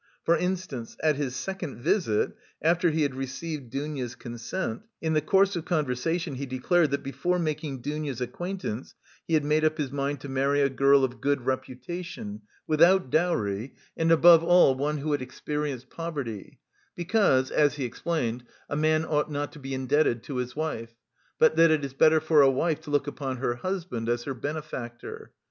For instance, at his second visit, after he had received Dounia's consent, in the course of conversation, he declared that before making Dounia's acquaintance, he had made up his mind to marry a girl of good reputation, without dowry and, above all, one who had experienced poverty, because, as he explained, a man ought not to be indebted to his wife, but that it is better for a wife to look upon her husband as her benefactor.